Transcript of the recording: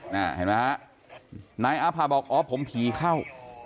น่ะเห็นมั้ยฮะนายอาผะบอกอ๋อผมผีเข้า